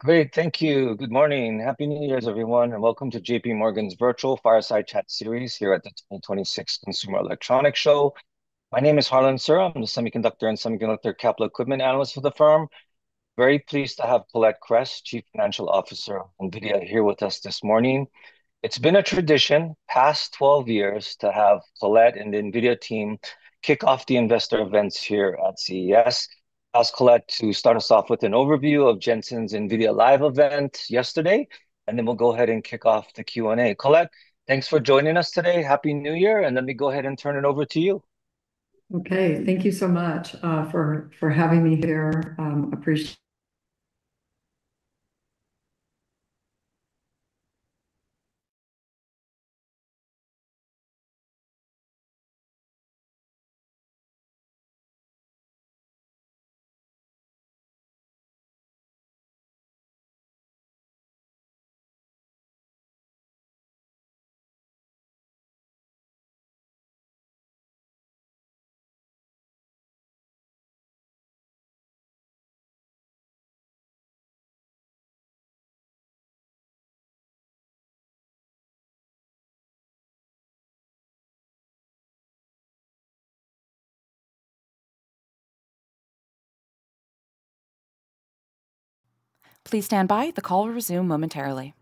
Great. Thank you. Good morning. Happy new year, everyone, and welcome to JPMorgan's Virtual Fireside Chat Series here at the 2026 Consumer Electronics Show. My name is Harlan Sur. I'm the Semiconductor and Semiconductor Capital Equipment Analyst for the firm. Very pleased to have Colette Kress, Chief Financial Officer of NVIDIA, here with us this morning. It's been a tradition past 12 years to have Colette and the NVIDIA team kick off the Investor Events here at CES. I'll ask Colette to start us off with an overview of Jensen's NVIDIA Live Event yesterday, and then we'll go ahead and kick off the Q&A. Colette, thanks for joining us today. Happy new year, and let me go ahead and turn it over to you. Okay. Thank you so much for having me here. I appreciate it. Please stand by. The call will resume momentarily.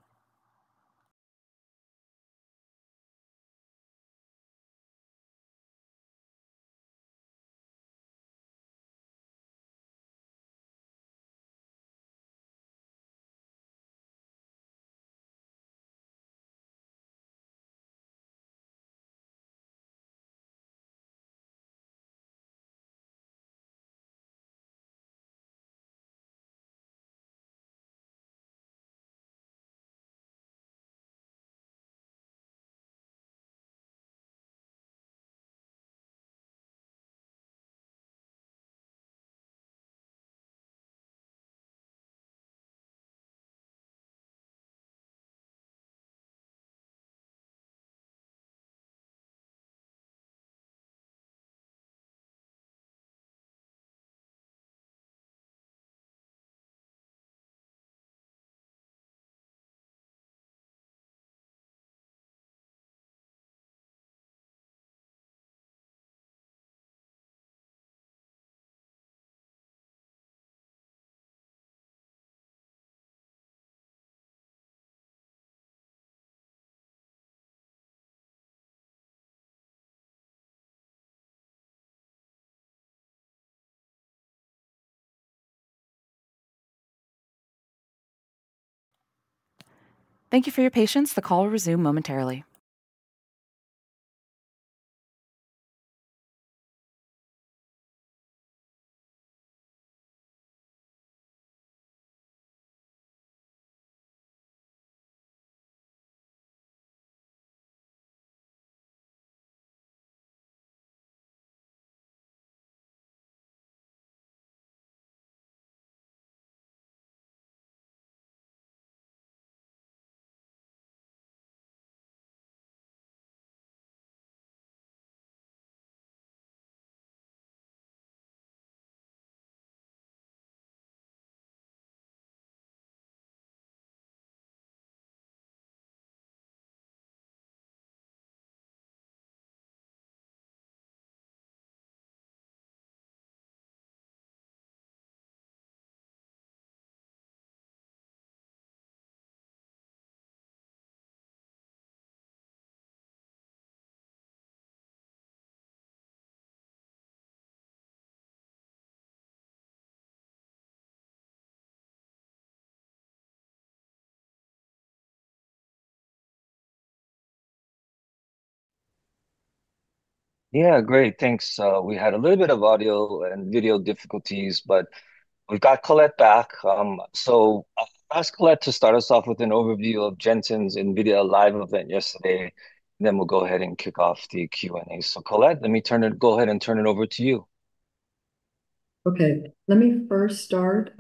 Thank you for your patience. The call will resume momentarily. Yeah. Great. Thanks. We had a little bit of audio and video difficulties, but we've got Colette back. So I'll ask Colette to start us off with an overview of Jensen's NVIDIA Live Event yesterday, and then we'll go ahead and kick off the Q&A. So Colette, let me go ahead and turn it over to you. Okay. Let me first start,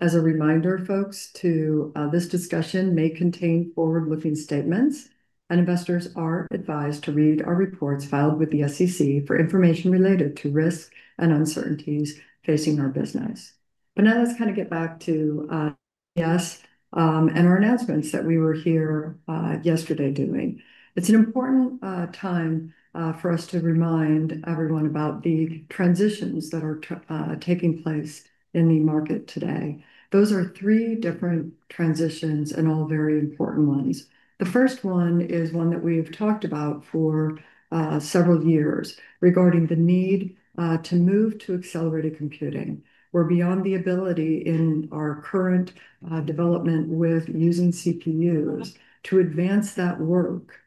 as a reminder, folks, that this discussion may contain forward-looking statements, and investors are advised to read our reports filed with the SEC for information related to risks and uncertainties facing our business. But now let's kind of get back to CES and our announcements that we were doing here yesterday. It's an important time for us to remind everyone about the transitions that are taking place in the market today. Those are three different transitions and all very important ones. The first one is one that we have talked about for several years regarding the need to move to accelerated computing, where we are beyond the ability in our current development with using CPUs to advance that work.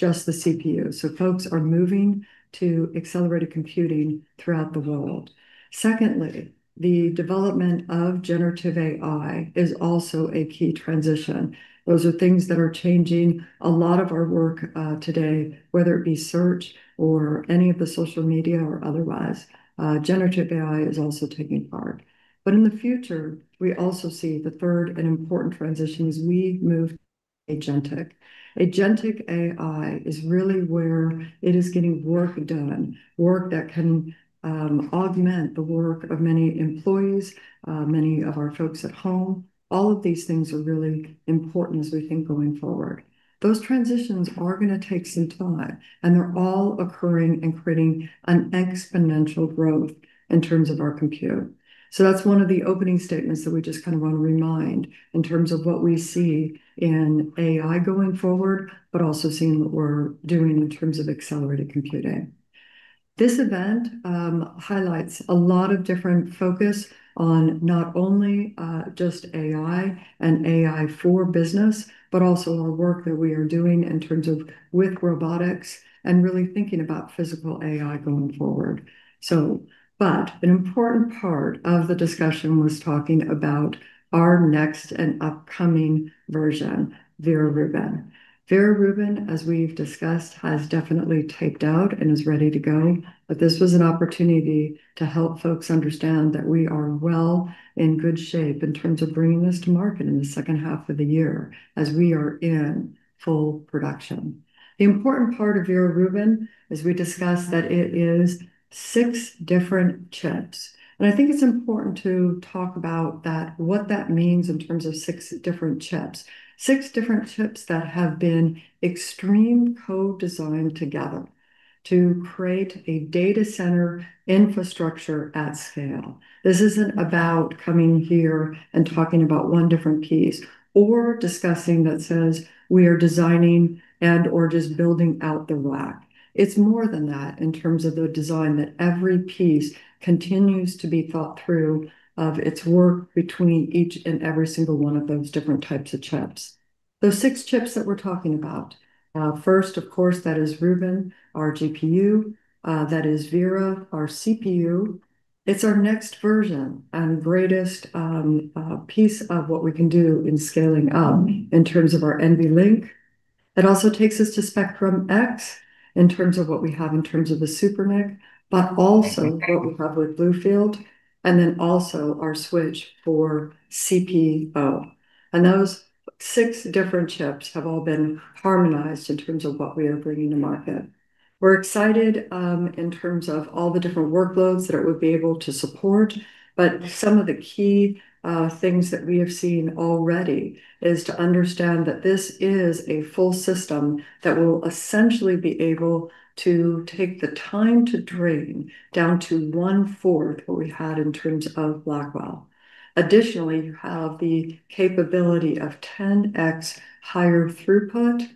So folks are moving to accelerated computing throughout the world. Secondly, the development of generative AI is also a key transition. Those are things that are changing a lot of our work today, whether it be search or any of the social media or otherwise. Generative AI is also taking part. But in the future, we also see the third and important transition is we move to Agentic. Agentic AI is really where it is getting work done, work that can augment the work of many employees, many of our folks at home. All of these things are really important as we think going forward. Those transitions are going to take some time, and they're all occurring and creating an exponential growth in terms of our compute. So that's one of the opening statements that we just kind of want to remind in terms of what we see in AI going forward, but also seeing what we're doing in terms of accelerated computing. This event highlights a lot of different focus on not only just AI and AI for business, but also our work that we are doing in terms of with robotics and really thinking about Physical AI going forward, but an important part of the discussion was talking about our next and upcoming version, Vera Rubin. Vera Rubin, as we've discussed, has definitely taped out and is ready to go, but this was an opportunity to help folks understand that we are well in good shape in terms of bringing this to market in the second half of the year as we are in full production. The important part of Vera Rubin, as we've discussed, is that it is six different chips, and I think it's important to talk about that, what that means in terms of six different chips. Six different chips that have been extremely co-designed together to create a data center infrastructure at scale. This isn't about coming here and talking about one different piece or discussing that says we are designing and/or just building out the rack. It's more than that in terms of the design that every piece continues to be thought through of its work between each and every single one of those different types of chips. Those six chips that we're talking about, first, of course, that is Rubin, our GPU. That is Vera, our CPU. It's our next version and greatest piece of what we can do in scaling up in terms of our NVLink. It also takes us to Spectrum-X in terms of what we have in terms of the SuperNIC, but also what we have with BlueField, and then also our switch for CPO. And those six different chips have all been harmonized in terms of what we are bringing to market. We're excited in terms of all the different workloads that it would be able to support. But some of the key things that we have seen already is to understand that this is a full system that will essentially be able to take the time to drain down to 1/4 what we had in terms of Blackwell. Additionally, you have the capability of 10x higher throughput.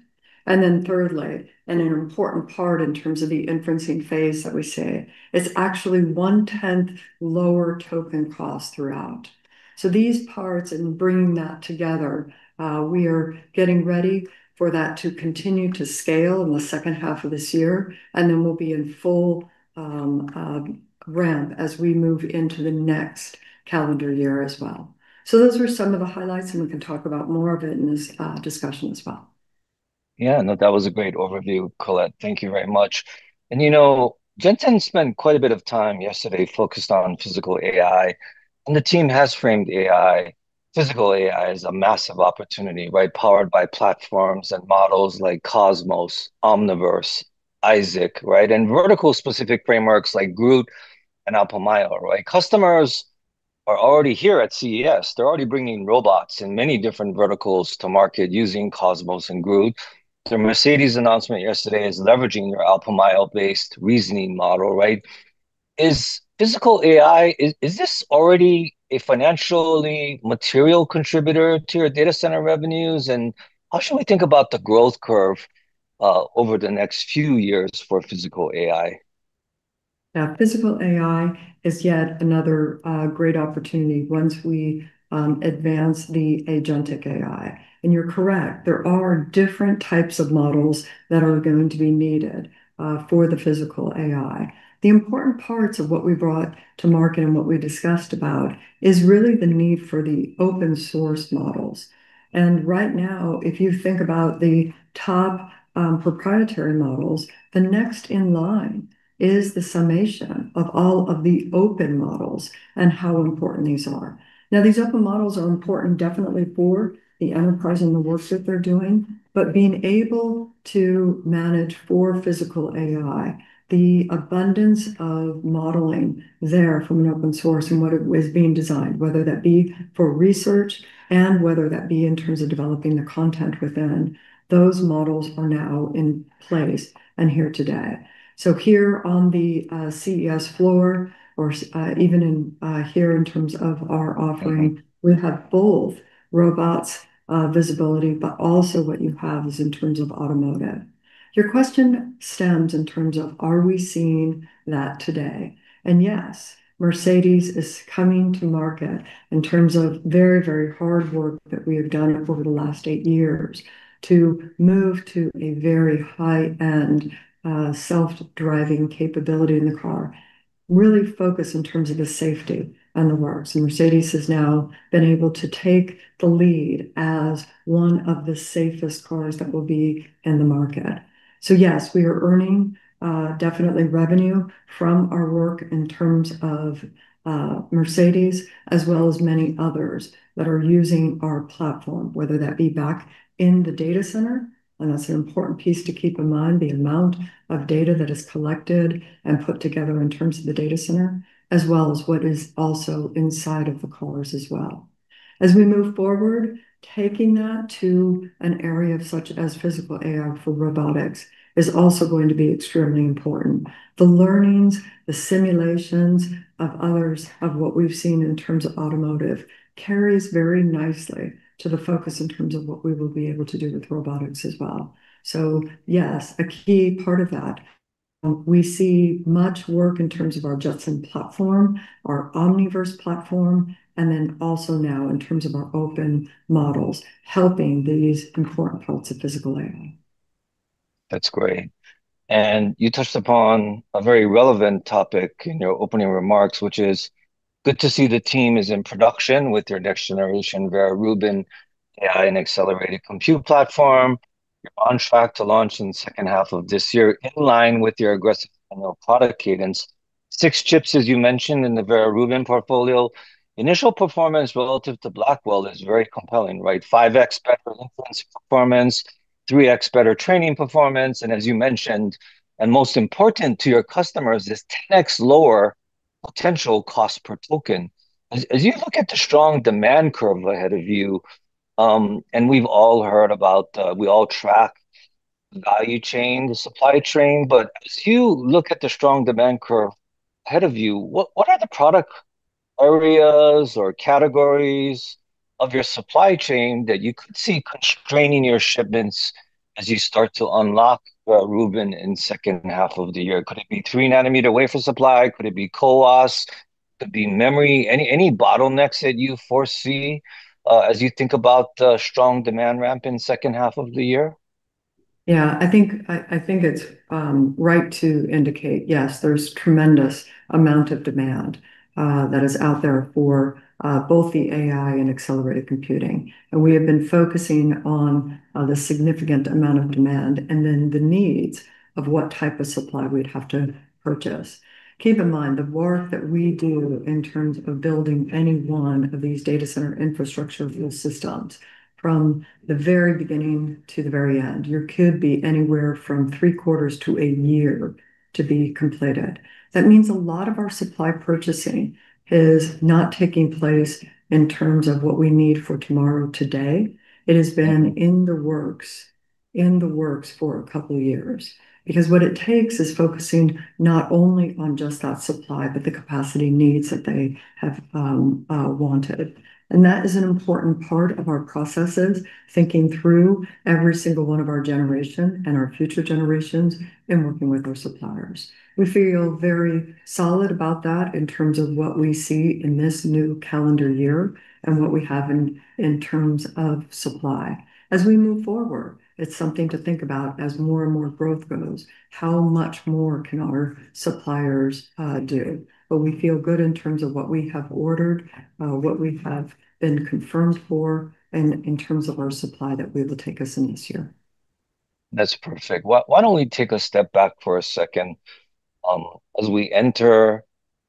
And then thirdly, and an important part in terms of the inferencing phase that we say, it's actually 1/10th lower token cost throughout. So these parts and bringing that together, we are getting ready for that to continue to scale in the second half of this year, and then we'll be in full ramp as we move into the next calendar year as well. So those are some of the highlights, and we can talk about more of it in this discussion as well. Yeah. No, that was a great overview, Colette. Thank you very much. And Jensen spent quite a bit of time yesterday focused on Physical AI. And the team has framed AI. Physical AI is a massive opportunity, right, powered by platforms and models like Cosmos, Omniverse, Isaac, right, and vertical-specific frameworks like GR00T and Alpamayo, right? Customers are already here at CES. They're already bringing robots in many different verticals to market using Cosmos and GR00T. The Mercedes announcement yesterday is leveraging your Alpamayo-based reasoning model, right? Is Physical AI, is this already a financially material contributor to your data center revenues? And how should we think about the growth curve over the next few years for Physical AI? Yeah. Physical AI is yet another great opportunity once we advance the Agentic AI. And you're correct. There are different types of models that are going to be needed for the Physical AI. The important parts of what we brought to market and what we discussed about is really the need for the open-source models. And right now, if you think about the top proprietary models, the next in line is the summation of all of the open models and how important these are. Now, these open models are important definitely for the enterprise and the work that they're doing, but being able to manage for Physical AI, the abundance of modeling there from an open source and what is being designed, whether that be for research and whether that be in terms of developing the content within, those models are now in place and here today. So, here on the CES floor, or even here in terms of our offering, we have both robots visibility, but also what you have is in terms of automotive. Your question stems in terms of, are we seeing that today? And yes, Mercedes is coming to market in terms of very, very hard work that we have done over the last eight years to move to a very high-end self-driving capability in the car, really focused in terms of the safety and the works. And Mercedes has now been able to take the lead as one of the safest cars that will be in the market. So yes, we are earning definitely revenue from our work in terms of Mercedes, as well as many others that are using our platform, whether that be back in the data center. And that's an important piece to keep in mind, the amount of data that is collected and put together in terms of the data center, as well as what is also inside of the cars as well. As we move forward, taking that to an area such as Physical AI for robotics is also going to be extremely important. The learnings, the simulations of others, of what we've seen in terms of automotive carries very nicely to the focus in terms of what we will be able to do with robotics as well. So yes, a key part of that. We see much work in terms of our Jetson platform, our Omniverse platform, and then also now in terms of our open models helping these important parts of Physical AI. That's great, and you touched upon a very relevant topic in your opening remarks, which is good to see the team is in production with your next-generation Vera Rubin AI and accelerated compute platform. You're on track to launch in the second half of this year in line with your aggressive annual product cadence. Six chips, as you mentioned, in the Vera Rubin portfolio. Initial performance relative to Blackwell is very compelling, right? 5x better inference performance, 3x better training performance, and as you mentioned, and most important to your customers, is 10x lower potential cost per token. As you look at the strong demand curve ahead of you, and we've all heard about, we all track the value chain, the supply chain, but as you look at the strong demand curve ahead of you, what are the product areas or categories of your supply chain that you could see constraining your shipments as you start to unlock Vera Rubin in the second half of the year? Could it be 3 nm wafer supply? Could it be CoWoS? Could it be memory? Any bottlenecks that you foresee as you think about the strong demand ramp in the second half of the year? Yeah. I think it's right to indicate, yes, there's a tremendous amount of demand that is out there for both the AI and accelerated computing. And we have been focusing on the significant amount of demand and then the needs of what type of supply we'd have to purchase. Keep in mind the work that we do in terms of building any one of these data center infrastructure systems from the very beginning to the very end. There could be anywhere from three quarters to a year to be completed. That means a lot of our supply purchasing is not taking place in terms of what we need for tomorrow today. It has been in the works for a couple of years because what it takes is focusing not only on just that supply, but the capacity needs that they have wanted. That is an important part of our processes, thinking through every single one of our generation and our future generations and working with our suppliers. We feel very solid about that in terms of what we see in this new calendar year and what we have in terms of supply. As we move forward, it's something to think about as more and more growth goes, how much more can our suppliers do? We feel good in terms of what we have ordered, what we have been confirmed for, and in terms of our supply that we will take us in this year. That's perfect. Why don't we take a step back for a second as we enter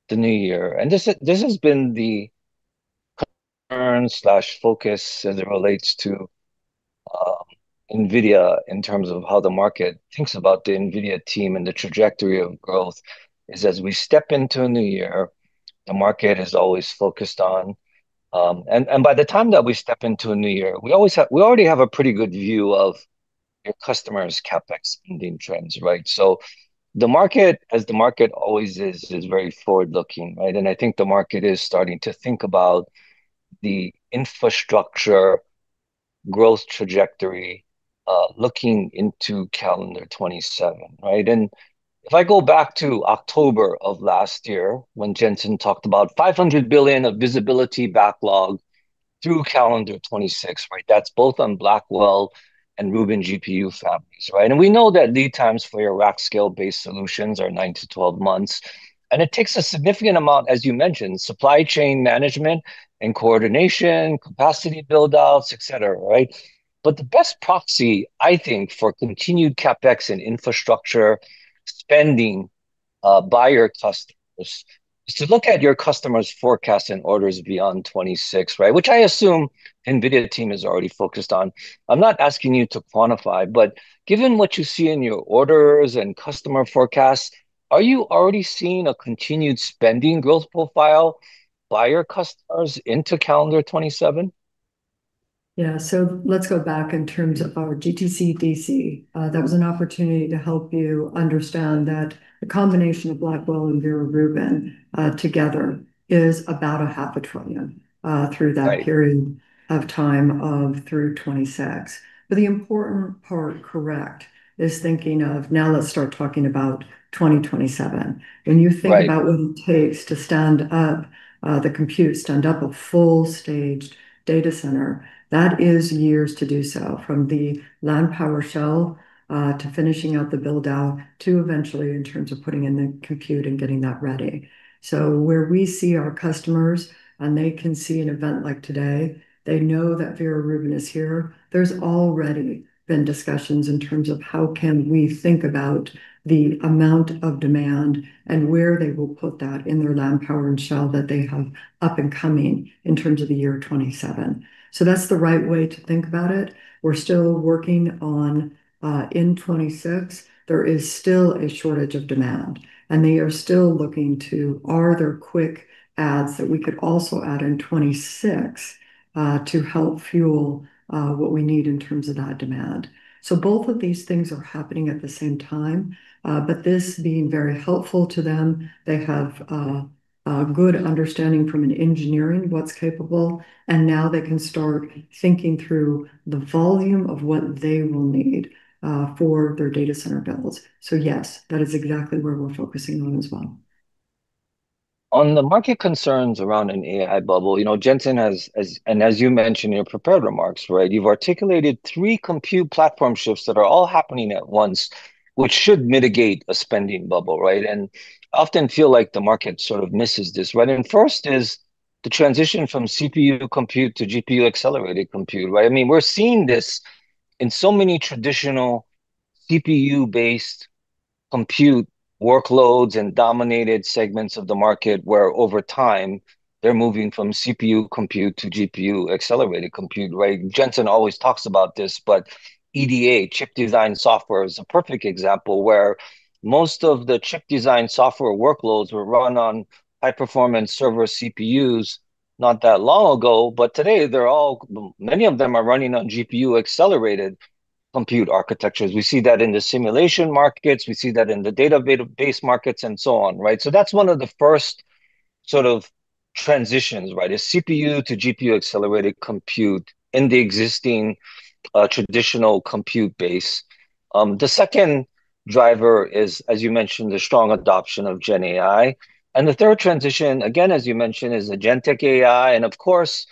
the new year? This has been the concern or focus as it relates to NVIDIA in terms of how the market thinks about the NVIDIA team and the trajectory of growth. As we step into a new year, the market has always focused on, and by the time that we step into a new year, we already have a pretty good view of your customers' CapEx spending trends, right? So the market, as the market always is, is very forward-looking, right? I think the market is starting to think about the infrastructure growth trajectory looking into calendar 2027, right? If I go back to October of last year when Jensen talked about $500 billion of visibility backlog through calendar 2026, right? That's both on Blackwell and Rubin GPU fabs, right? And we know that lead times for your rack scale-based solutions are 9-12 months. And it takes a significant amount, as you mentioned, supply chain management and coordination, capacity build-outs, et cetera, right? But the best proxy, I think, for continued CapEx and infrastructure spending by your customers is to look at your customers' forecasts and orders beyond 2026, right? Which I assume the NVIDIA team is already focused on. I'm not asking you to quantify, but given what you see in your orders and customer forecasts, are you already seeing a continued spending growth profile by your customers into calendar 2027? Yeah. So let's go back in terms of our GTC DC. That was an opportunity to help you understand that the combination of Blackwell and Vera Rubin together is about $500 billion through that period of time through 2026. But the important part, correct, is thinking of now let's start talking about 2027. When you think about what it takes to stand up the compute, stand up a full-staged data center, that is years to do so from the land power shell to finishing out the build-out to eventually in terms of putting in the compute and getting that ready. So where we see our customers and they can see an event like today, they know that Vera Rubin is here. There's already been discussions in terms of how can we think about the amount of demand and where they will put that in their land, power, and shell that they have up and coming in terms of the year 2027, so that's the right way to think about it. We're still working on in 2026, there is still a shortage of demand, and they are still looking to see if there are quick adds that we could also add in 2026 to help fuel what we need in terms of that demand, so both of these things are happening at the same time, but this being very helpful to them, they have a good understanding from an engineering what's capable, and now they can start thinking through the volume of what they will need for their data center builds, so yes, that is exactly where we're focusing on as well. On the market concerns around an AI bubble, you know, Jensen has, and as you mentioned in your prepared remarks, right, you've articulated three compute platform shifts that are all happening at once, which should mitigate a spending bubble, right, and often feel like the market sort of misses this, right, and first is the transition from CPU compute to GPU accelerated compute, right? I mean, we're seeing this in so many traditional CPU-based compute workloads and dominated segments of the market where over time they're moving from CPU compute to GPU accelerated compute, right? Jensen always talks about this, but EDA, chip design software is a perfect example where most of the chip design software workloads were run on high-performance server CPUs not that long ago, but today they're all, many of them are running on GPU accelerated compute architectures. We see that in the simulation markets. We see that in the data-based markets and so on, right? So that's one of the first sort of transitions, right, is CPU to GPU accelerated compute in the existing traditional compute base. The second driver is, as you mentioned, the strong adoption of GenAI. And the third transition, again, as you mentioned, is the Agentic AI and of course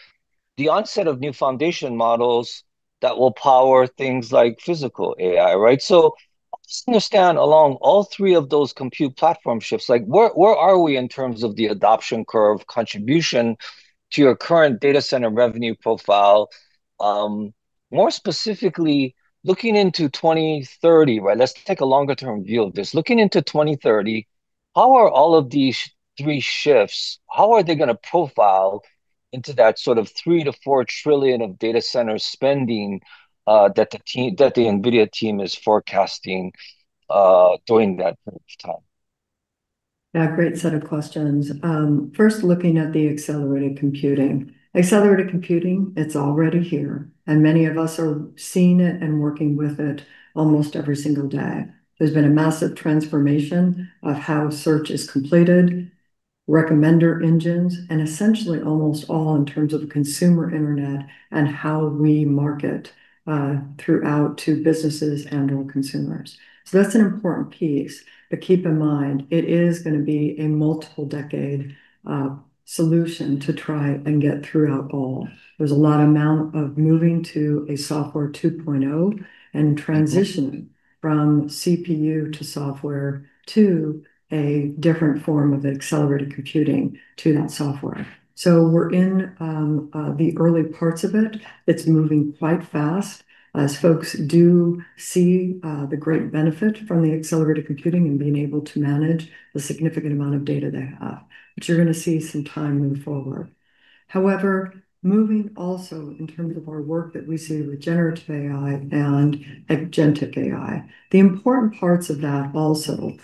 the onset of new foundation models that will power things like Physical AI, right? So I just understand along all three of those compute platform shifts, like where are we in terms of the adoption curve contribution to your current data center revenue profile? More specifically, looking into 2030, right? Let's take a longer-term view of this. Looking into 2030, how are all of these three shifts, how are they going to profile into that sort of $3 trillion-$4 trillion of data center spending that the NVIDIA team is forecasting during that time? Yeah, great set of questions. First, looking at the accelerated computing. Accelerated computing, it's already here, and many of us are seeing it and working with it almost every single day. There's been a massive transformation of how search is completed, recommender engines, and essentially almost all in terms of consumer internet and how we market throughout to businesses and/or consumers, so that's an important piece, but keep in mind, it is going to be a multiple-decade solution to try and get through all. There's a lot of moving to a Software 2.0 and transitioning from CPU to software to a different form of accelerated computing to that software, so we're in the early parts of it. It's moving quite fast as folks do see the great benefit from the accelerated computing and being able to manage the significant amount of data they have, which you're going to see as time moves forward. However, moving also in terms of our work that we see with generative AI and Agentic AI, the important parts of that also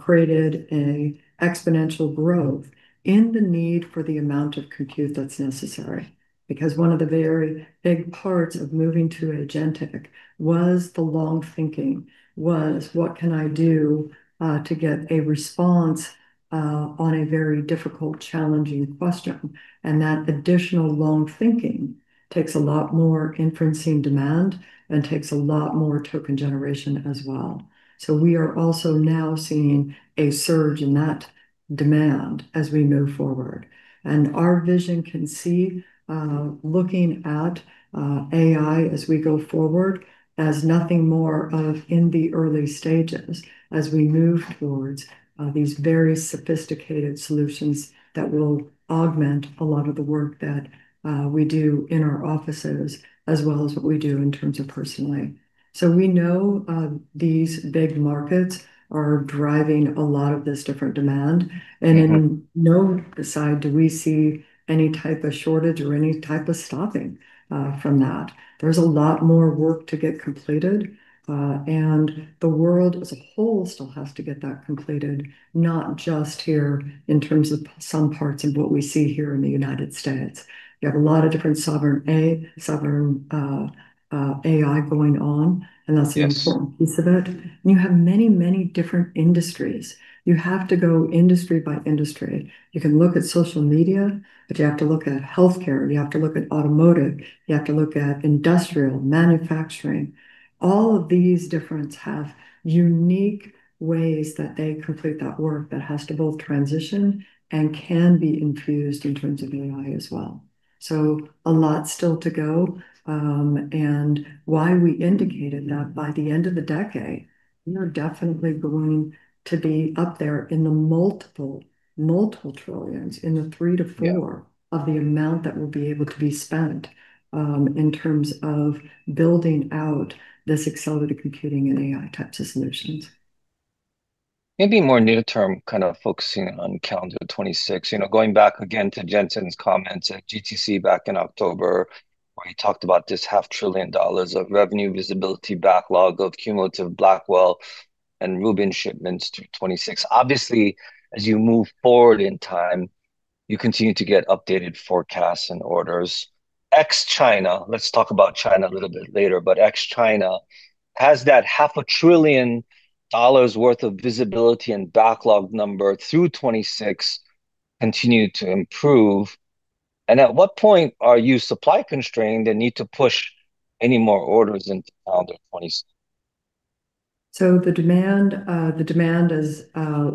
created an exponential growth in the need for the amount of compute that's necessary because one of the very big parts of moving to Agentic AI was the long thinking, was what can I do to get a response on a very difficult, challenging question, and that additional long thinking takes a lot more inferencing demand and takes a lot more token generation as well, so we are also now seeing a surge in that demand as we move forward. And our vision can see looking at AI as we go forward as nothing more of in the early stages as we move towards these very sophisticated solutions that will augment a lot of the work that we do in our offices as well as what we do in terms of personally. So we know these big markets are driving a lot of this different demand. And no one can know besides do we see any type of shortage or any type of stopping from that. There's a lot more work to get completed. And the world as a whole still has to get that completed, not just here in terms of some parts of what we see here in the United States. You have a lot of different Sovereign AI going on, and that's an important piece of it. And you have many, many different industries. You have to go industry by industry. You can look at social media, but you have to look at healthcare. You have to look at automotive. You have to look at industrial manufacturing. All of these differences have unique ways that they complete that work that has to both transition and can be infused in terms of AI as well. So a lot still to go, and why we indicated that by the end of the decade, we are definitely going to be up there in the multiple, multiple trillions in the three to four of the amount that will be able to be spent in terms of building out this accelerated computing and AI types of solutions. Maybe more near-term kind of focusing on calendar 2026, you know, going back again to Jensen's comments at GTC back in October where he talked about this $500 billion of revenue visibility backlog of cumulative Blackwell and Rubin shipments through 2026. Obviously, as you move forward in time, you continue to get updated forecasts and orders. Ex-China, let's talk about China a little bit later, but ex-China has that $500 billion worth of visibility and backlog number through 2026 continue to improve. And at what point are you supply constrained and need to push any more orders into calendar 2026? So the demand, the demand as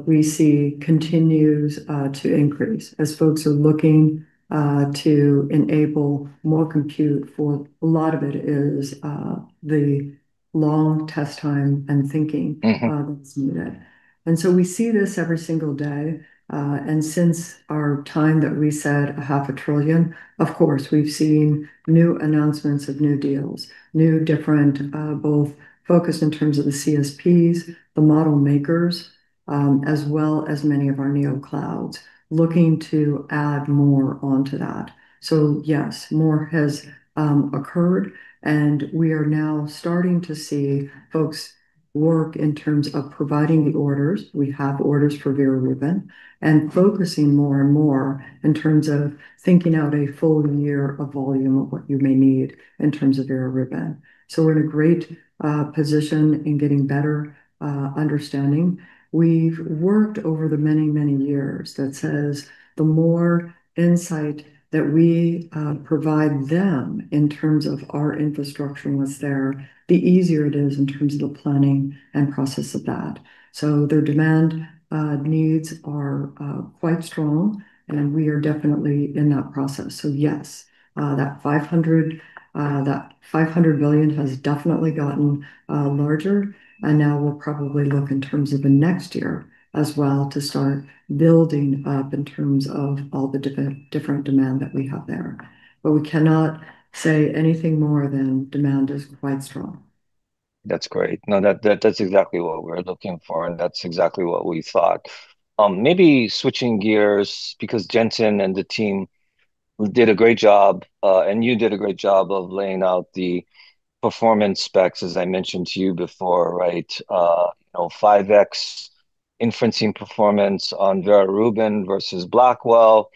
we see continues to increase as folks are looking to enable more compute. For a lot of it is the long test time and thinking that's needed. And so we see this every single day. And since our time that we said $500 billion, of course, we've seen new announcements of new deals, new different both focused in terms of the CSPs, the model makers, as well as many of our neoclouds looking to add more onto that. So yes, more has occurred. And we are now starting to see folks work in terms of providing the orders. We have orders for Vera Rubin and focusing more and more in terms of thinking out a full year of volume of what you may need in terms of Vera Rubin. So we're in a great position in getting better understanding. We've worked over the many, many years that says the more insight that we provide them in terms of our infrastructure and what's there, the easier it is in terms of the planning and process of that. So their demand needs are quite strong and we are definitely in that process. So yes, that $500 billion has definitely gotten larger. And now we'll probably look in terms of the next year as well to start building up in terms of all the different demand that we have there. But we cannot say anything more than demand is quite strong. That's great. No, that's exactly what we're looking for and that's exactly what we thought. Maybe switching gears because Jensen and the team did a great job and you did a great job of laying out the performance specs as I mentioned to you before, right? You know, 5x inferencing performance on Vera Rubin versus Blackwell.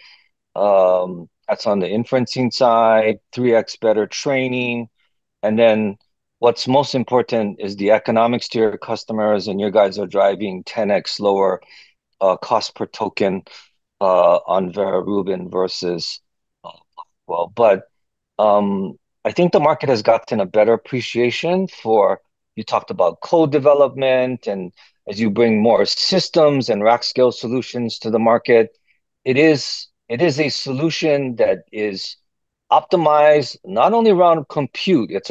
That's on the inferencing side, 3x better training. And then what's most important is the economics to your customers and your guys are driving 10x lower cost per token on Vera Rubin versus Blackwell. But I think the market has gotten a better appreciation for you talked about co-development and as you bring more systems and rack scale solutions to the market, it is a solution that is optimized not only around compute, it's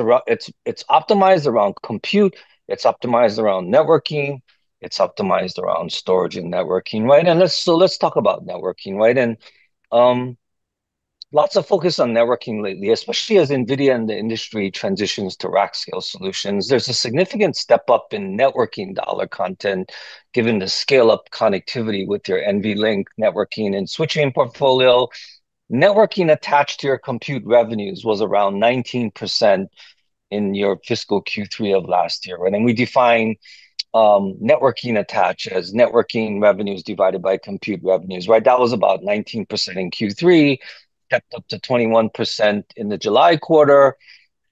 optimized around compute, it's optimized around networking, it's optimized around storage and networking, right? And so let's talk about networking, right? And lots of focus on networking lately, especially as NVIDIA and the industry transitions to rack scale solutions. There's a significant step up in networking dollar content given the scale-up connectivity with your NVLink networking and switching portfolio. Networking attached to your compute revenues was around 19% in your fiscal Q3 of last year, right? And we define networking attached as networking revenues divided by compute revenues, right? That was about 19% in Q3, crept up to 21% in the July quarter.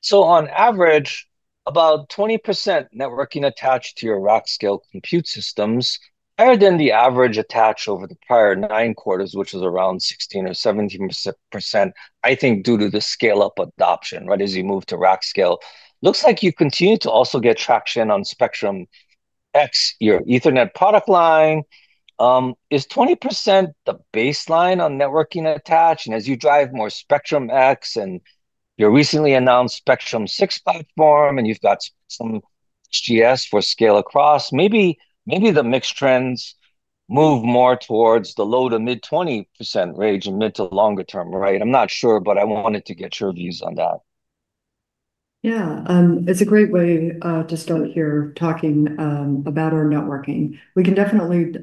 So on average, about 20% networking attached to your rack scale compute systems higher than the average attached over the prior nine quarters, which was around 16% or 17%, I think due to the scale-up adoption, right? As you move to rack scale, looks like you continue to also get traction on Spectrum-X, your Ethernet product line. Is 20% the baseline on networking attached? And as you drive more Spectrum-X and your recently announced Spectrum-6 platform and you've got some QoS for scale across, maybe the mixed trends move more towards the low to mid 20% range and mid to longer term, right? I'm not sure, but I wanted to get your views on that. Yeah, it's a great way to start here talking about our networking. We can definitely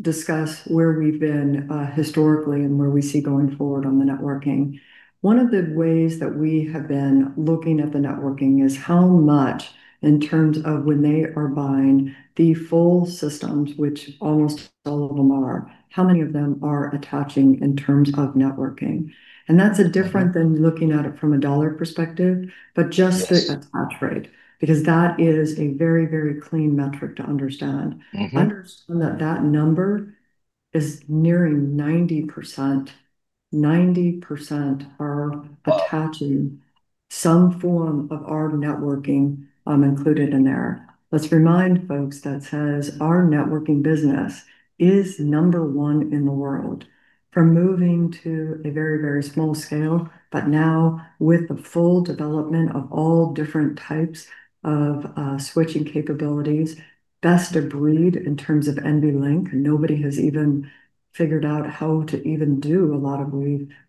discuss where we've been historically and where we see going forward on the networking. One of the ways that we have been looking at the networking is how much, in terms of when they are buying the full systems, which almost all of them are, how many of them are attaching in terms of networking, and that's different than looking at it from a dollar perspective, but just the attach rate because that is a very, very clean metric to understand. Understand that that number is nearing 90%. 90% are attaching some form of our networking included in there. Let's remind folks that is our networking business is number one in the world from moving to a very, very small scale, but now with the full development of all different types of switching capabilities, best of breed in terms of NVLink. Nobody has even figured out how to even do a lot of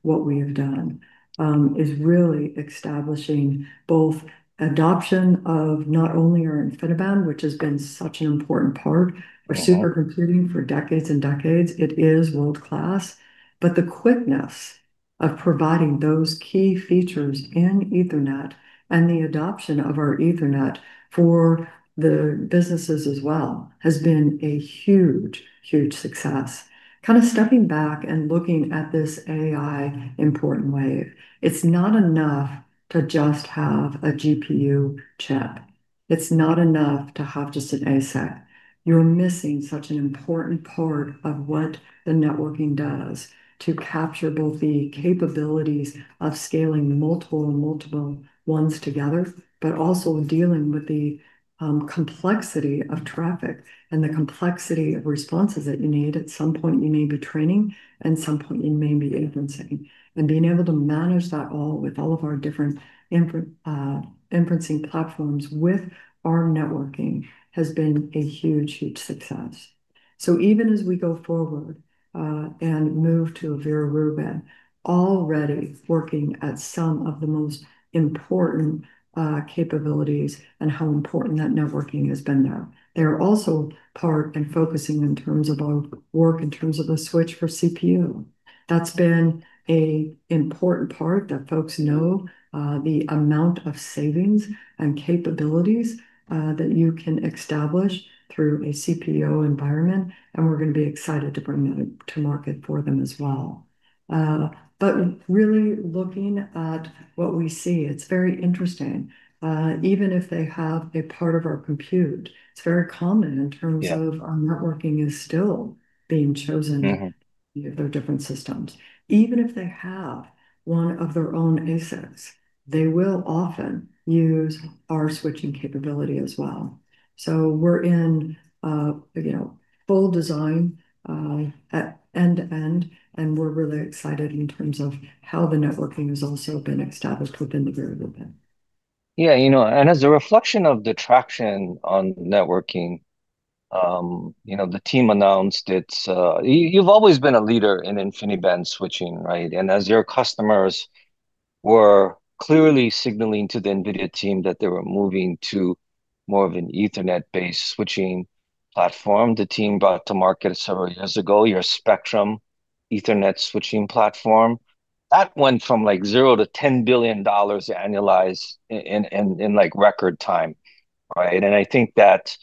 what we have done. It is really establishing both adoption of not only our InfiniBand, which has been such an important part of supercomputing for decades and decades. It is world-class, but the quickness of providing those key features in Ethernet and the adoption of our Ethernet for the businesses as well has been a huge, huge success. Kind of stepping back and looking at this AI important wave, it's not enough to just have a GPU chip. It's not enough to have just an ASIC. You're missing such an important part of what the networking does to capture both the capabilities of scaling multiple and multiple ones together, but also dealing with the complexity of traffic and the complexity of responses that you need. At some point, you may be training and some point you may be inferencing, and being able to manage that all with all of our different inferencing platforms with our networking has been a huge, huge success, so even as we go forward and move to a Vera Rubin, already working at some of the most important capabilities and how important that networking has been there. They're also part and focusing in terms of our work in terms of the switch for CPU. That's been an important part that folks know the amount of savings and capabilities that you can establish through a CPO environment. And we're going to be excited to bring that to market for them as well. But really looking at what we see, it's very interesting. Even if they have a part of our compute, it's very common in terms of our networking is still being chosen for their different systems. Even if they have one of their own ASICs, they will often use our switching capability as well. So we're in full design at end to end, and we're really excited in terms of how the networking has also been established within the Vera Rubin. Yeah, you know, and as a reflection of the traction on networking, you know, the team announced, you've always been a leader in InfiniBand switching, right? And as your customers were clearly signaling to the NVIDIA team that they were moving to more of an Ethernet-based switching platform, the team brought to market several years ago your Spectrum Ethernet switching platform. That went from like zero to $10 billion annualized in like record time, right? And I think that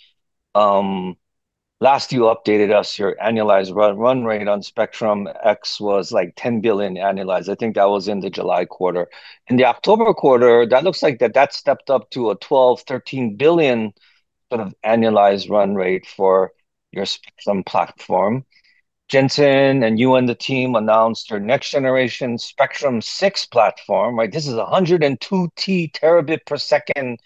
last you updated us, your annualized run rate on Spectrum-X was like $10 billion annualized. I think that was in the July quarter. In the October quarter, that looks like that stepped up to a $12 billion-$13 billion sort of annualized run rate for your Spectrum platform. Jensen and you and the team announced your next generation Spectrum-6 platform, right? This is 102T terabit per second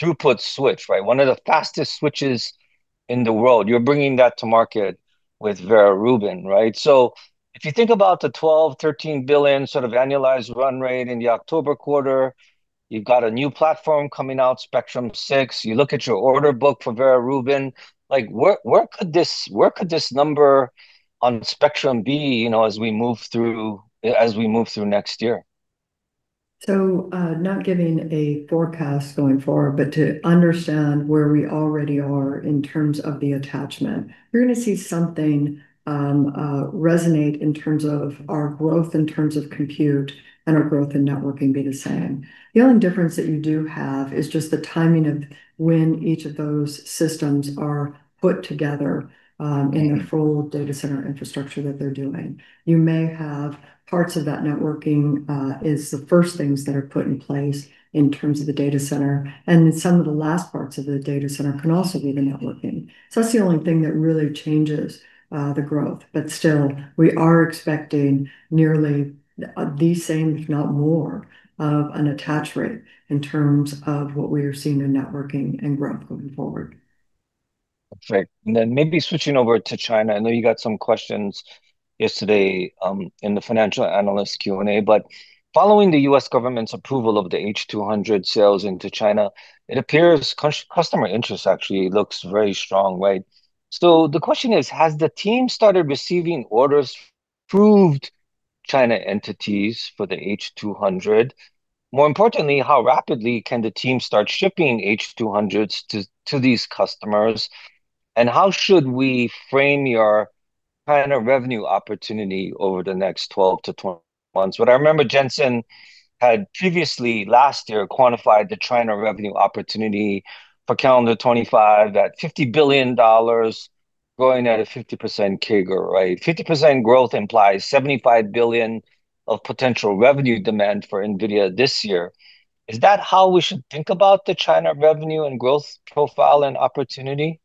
throughput switch, right? One of the fastest switches in the world. You're bringing that to market with Vera Rubin, right? So if you think about the $12 billion-$13 billion sort of annualized run rate in the October quarter, you've got a new platform coming out, Spectrum-6. You look at your order book for Vera Rubin, like where could this number on Spectrum be, you know, as we move through next year? So, not giving a forecast going forward, but to understand where we already are in terms of the attach rate, you're going to see something resonate in terms of our growth in terms of compute and our growth in networking be the same. The only difference that you do have is just the timing of when each of those systems are put together in the full data center infrastructure that they're doing. You may have parts of that networking is the first things that are put in place in terms of the data center, and some of the last parts of the data center can also be the networking. So that's the only thing that really changes the growth. But still, we are expecting nearly the same, if not more, of an attach rate in terms of what we are seeing in networking and growth going forward. Perfect. And then maybe switching over to China. I know you got some questions yesterday in the financial analyst Q&A, but following the U.S. government's approval of the H200 sales into China, it appears customer interest actually looks very strong, right? So the question is, has the team started receiving orders from approved China entities for the H200? More importantly, how rapidly can the team start shipping H200s to these customers? And how should we frame your China revenue opportunity over the next 12-20 months? But I remember Jensen had previously last year quantified the China revenue opportunity for calendar 2025 at $50 billion going at a 50% CAGR, right? 50% growth implies $75 billion of potential revenue demand for NVIDIA this year. Is that how we should think about the China revenue and growth profile and opportunity?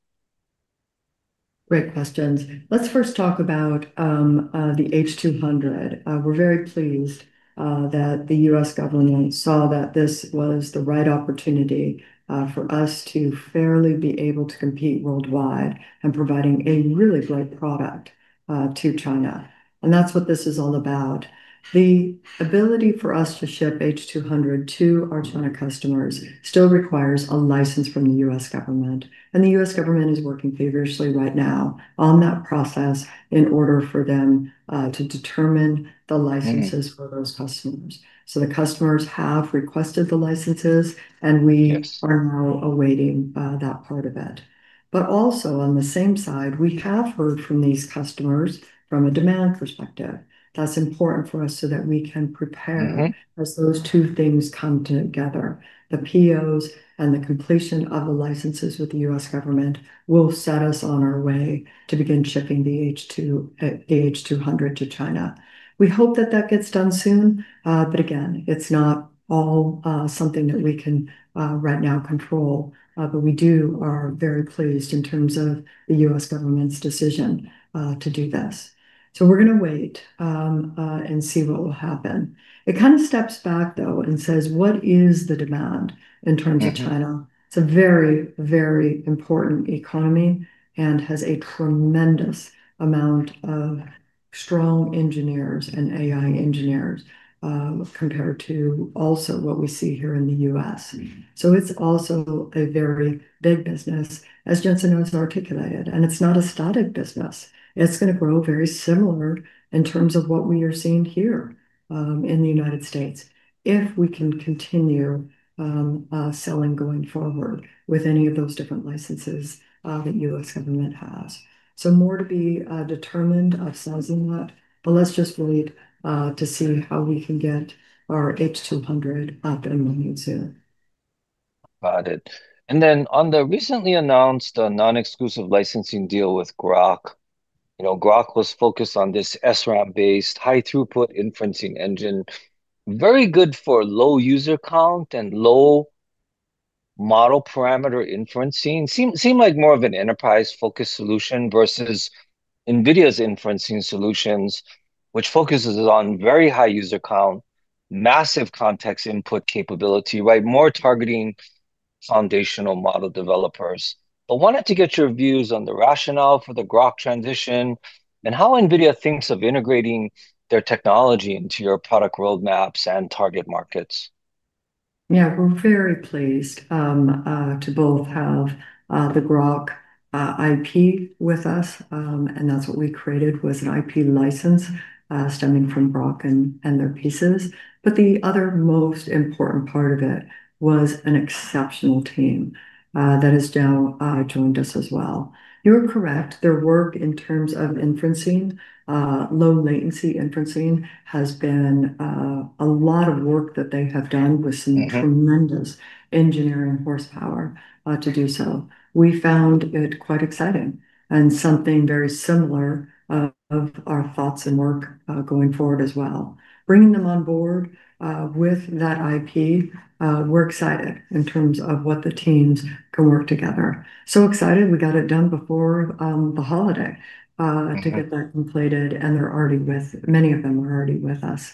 Great questions. Let's first talk about the H200. We're very pleased that the U.S. government saw that this was the right opportunity for us to fairly be able to compete worldwide and providing a really great product to China. And that's what this is all about. The ability for us to ship H200 to our China customers still requires a license from the U.S. government. And the U.S. government is working feverishly right now on that process in order for them to determine the licenses for those customers. So the customers have requested the licenses and we are now awaiting that part of it. But also on the same side, we have heard from these customers from a demand perspective. That's important for us so that we can prepare as those two things come together. The POs and the completion of the licenses with the U.S. government will set us on our way to begin shipping the H200 to China. We hope that that gets done soon. But again, it's not all something that we can right now control, but we do are very pleased in terms of the U.S. government's decision to do this. So we're going to wait and see what will happen. It kind of steps back though and says, what is the demand in terms of China? It's a very, very important economy and has a tremendous amount of strong engineers and AI engineers compared to also what we see here in the U.S. So it's also a very big business, as Jensen has articulated. And it's not a static business. It's going to grow very similar in terms of what we are seeing here in the United States if we can continue selling going forward with any of those different licenses that the U.S. government has. So more to be determined of sales in that, but let's just wait to see how we can get our H200 up and running soon. Got it. And then on the recently announced non-exclusive licensing deal with Groq, you know, Groq was focused on this SRAM-based high-throughput inferencing engine, very good for low user count and low model parameter inferencing. Seemed like more of an enterprise-focused solution versus NVIDIA's inferencing solutions, which focuses on very high user count, massive context input capability, right? More targeting foundational model developers. But wanted to get your views on the rationale for the Groq transition and how NVIDIA thinks of integrating their technology into your product roadmaps and target markets. Yeah, we're very pleased to both have the Groq IP with us. And that's what we created was an IP license stemming from Groq and their IP. But the other most important part of it was an exceptional team that has now joined us as well. You're correct. Their work in terms of inferencing, low-latency inferencing has been a lot of work that they have done with some tremendous engineering horsepower to do so. We found it quite exciting and something very similar of our thoughts and work going forward as well. Bringing them on board with that IP, we're excited in terms of what the teams can work together. So excited we got it done before the holiday to get that completed. And many of them are already with us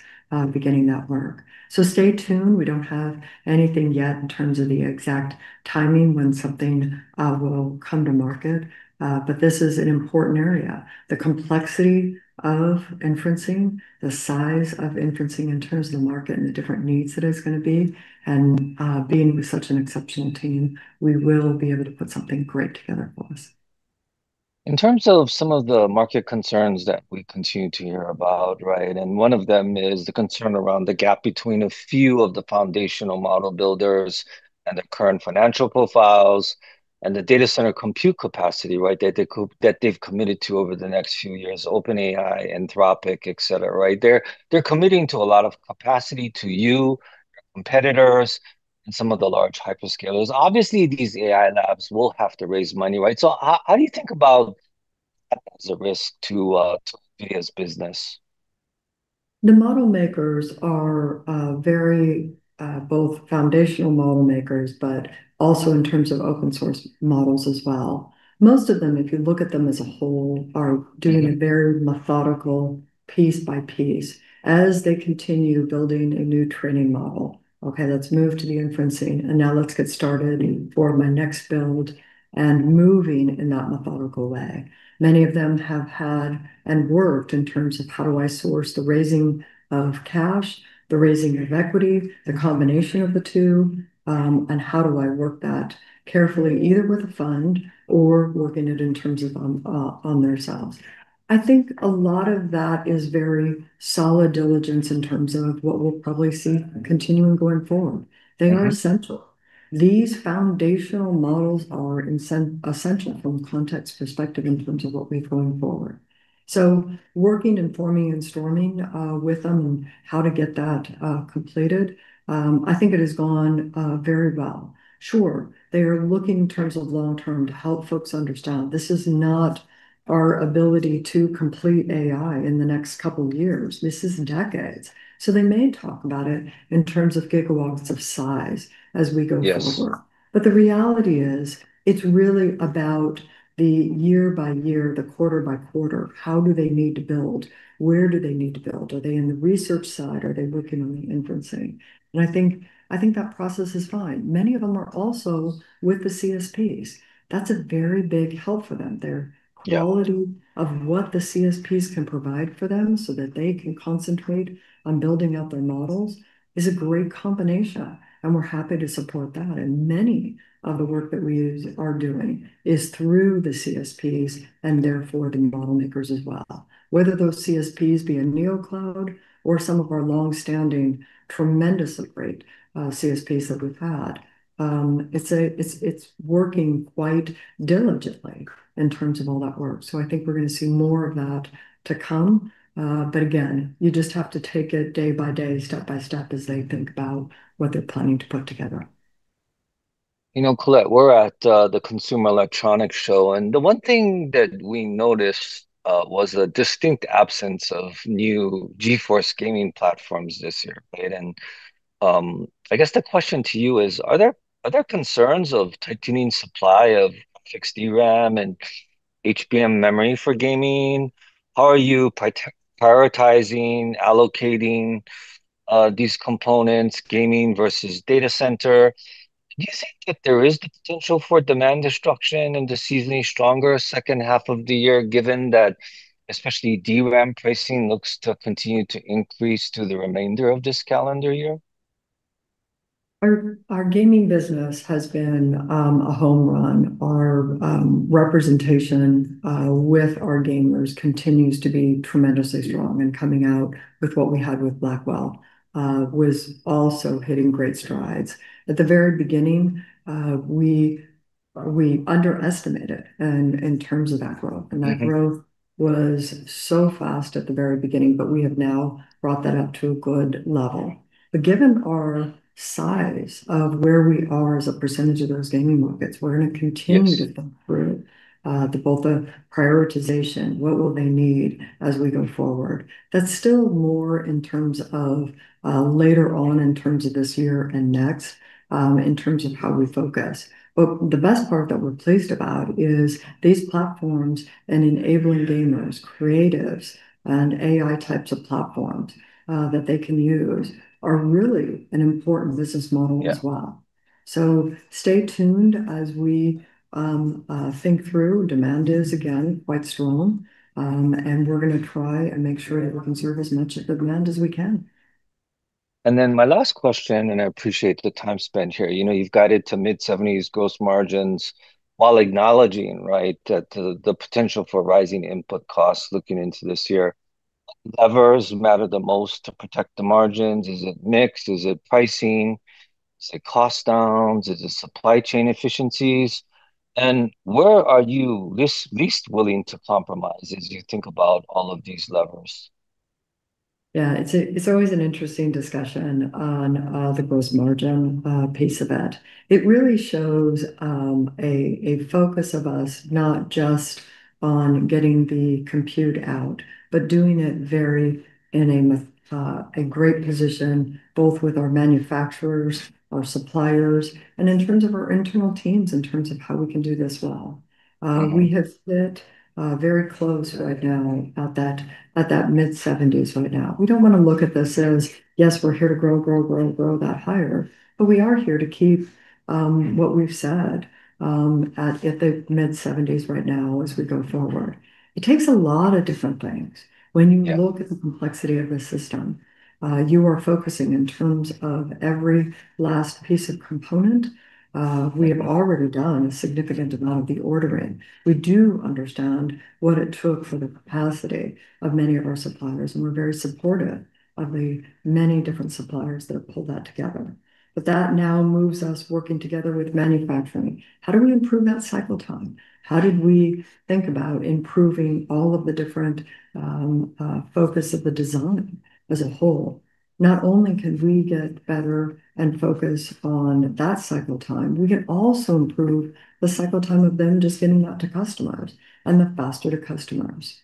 beginning that work. So stay tuned. We don't have anything yet in terms of the exact timing when something will come to market, but this is an important area. The complexity of inferencing, the size of inferencing in terms of the market and the different needs that it's going to be, and being with such an exceptional team, we will be able to put something great together for us. In terms of some of the market concerns that we continue to hear about, right? And one of them is the concern around the gap between a few of the foundational model builders and the current financial profiles and the data center compute capacity, right? That they've committed to over the next few years, OpenAI, Anthropic, et cetera, right? They're committing to a lot of capacity to you, competitors, and some of the large hyperscalers. Obviously, these AI labs will have to raise money, right? So how do you think about that as a risk to NVIDIA's business? The model makers are very both foundation model makers, but also in terms of open source models as well. Most of them, if you look at them as a whole, are doing a very methodical piece by piece as they continue building a new training model. Okay, let's move to the inferencing, and now let's get started for my next build and moving in that methodical way. Many of them have had and worked in terms of how do I source the raising of cash, the raising of equity, the combination of the two, and how do I work that carefully either with a fund or working it in terms of on themselves. I think a lot of that is very solid diligence in terms of what we'll probably see continuing going forward. They are essential. These foundational models are essential from a context perspective in terms of what we have going forward. Working and forming and storming with them and how to get that completed, I think it has gone very well. Sure, they are looking in terms of long term to help folks understand this is not our ability to complete AI in the next couple of years. This is decades. They may talk about it in terms of gigawatts of size as we go forward. But the reality is it's really about the year by year, the quarter by quarter, how do they need to build? Where do they need to build? Are they in the research side? Are they working on the inferencing? And I think that process is fine. Many of them are also with the CSPs. That's a very big help for them. Their quality of what the CSPs can provide for them so that they can concentrate on building out their models is a great combination. And we're happy to support that. And many of the work that we are doing is through the CSPs and therefore the model makers as well. Whether those CSPs be a Neocloud or some of our longstanding tremendously great CSPs that we've had, it's working quite diligently in terms of all that work. So I think we're going to see more of that to come. But again, you just have to take it day by day, step by step as they think about what they're planning to put together. You know, Colette, we're at the Consumer Electronics Show, and the one thing that we noticed was a distinct absence of new GeForce gaming platforms this year. And I guess the question to you is, are there concerns of tightening supply of fixed DRAM and HBM memory for gaming? How are you prioritizing, allocating these components, gaming versus data center? Do you think that there is the potential for demand destruction and the seasonally stronger second half of the year, given that especially DRAM pricing looks to continue to increase through the remainder of this calendar year? Our gaming business has been a home run. Our representation with our gamers continues to be tremendously strong, and coming out with what we had with Blackwell was also hitting great strides. At the very beginning, we underestimated in terms of that growth, and that growth was so fast at the very beginning, but we have now brought that up to a good level, but given our size of where we are as a percentage of those gaming markets, we're going to continue to think through both the prioritization, what will they need as we go forward. That's still more in terms of later on in terms of this year and next in terms of how we focus, but the best part that we're pleased about is these platforms and enabling gamers, creatives, and AI types of platforms that they can use are really an important business model as well. So stay tuned as we think through. Demand is again quite strong. And we're going to try and make sure that we can serve as much of the demand as we can. And then my last question, and I appreciate the time spent here. You know, you've guided to mid-70s gross margins while acknowledging, right, that the potential for rising input costs looking into this year, levers matter the most to protect the margins. Is it mixed? Is it pricing? Is it cost downs? Is it supply chain efficiencies? And where are you least willing to compromise as you think about all of these levers? Yeah, it's always an interesting discussion on the gross margin piece of it. It really shows a focus of us not just on getting the compute out, but doing it very in a great position both with our manufacturers, our suppliers, and in terms of our internal teams in terms of how we can do this well. We have it very close right now at that mid-70s right now. We don't want to look at this as, yes, we're here to grow, grow, grow, grow that higher, but we are here to keep what we've said at the mid-70s right now as we go forward. It takes a lot of different things. When you look at the complexity of the system, you are focusing in terms of every last piece of component. We have already done a significant amount of the ordering. We do understand what it took for the capacity of many of our suppliers, and we're very supportive of the many different suppliers that have pulled that together, but that now moves us working together with manufacturing. How do we improve that cycle time? How did we think about improving all of the different focus of the design as a whole? Not only can we get better and focus on that cycle time, we can also improve the cycle time of them just getting that to customers and the faster to customers.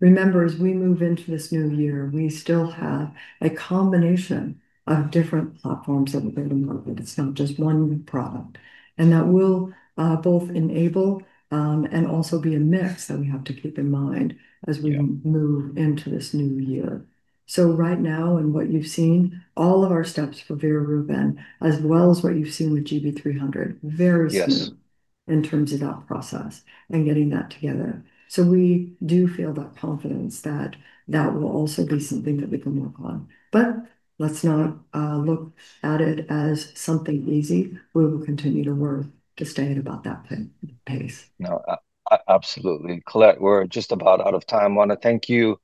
Remember, as we move into this new year, we still have a combination of different platforms that we're going to market. It's not just one product, and that will both enable and also be a mix that we have to keep in mind as we move into this new year. So right now, in what you've seen, all of our steps for Vera Rubin, as well as what you've seen with GB300, very soon in terms of that process and getting that together. So we do feel that confidence that that will also be something that we can work on. But let's not look at it as something easy. We will continue to work to stay at about that pace. Absolutely. Colette, we're just about out of time. I want to thank you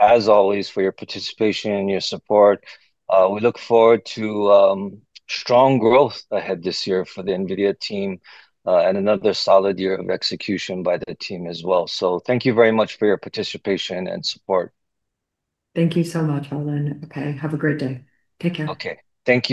as always for your participation and your support. We look forward to strong growth ahead this year for the NVIDIA team and another solid year of execution by the team as well, so thank you very much for your participation and support. Thank you so much, Harlan. Okay, have a great day. Take care. Okay. Thank you.